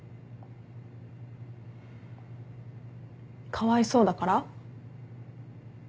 かわいそうだから？